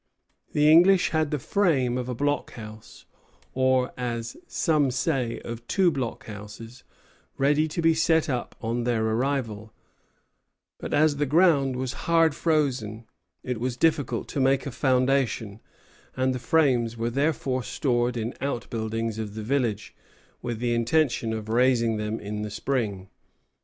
The English had the frame of a blockhouse, or, as some say, of two blockhouses, ready to be set up on their arrival; but as the ground was hard frozen it was difficult to make a foundation, and the frames were therefore stored in outbuildings of the village, with the intention of raising them in the spring.